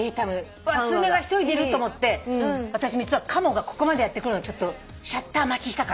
スズメが一人でいると思って私カモがここまでやって来るのシャッター待ちしたからね。